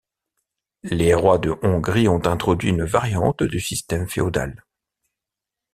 Les rois de Hongrie ont introduit une variante du système féodal.